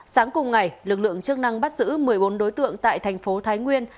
sáng cùng ngày lực lượng chức năng bắt giữ một mươi bốn đối tượng tại thành phố thái nguyên